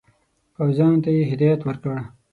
پوځیانو ته یې هدایت ورکړ.